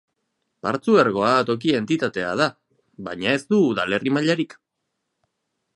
Partzuergoa toki entitatea da, baina ez du udalerri mailarik.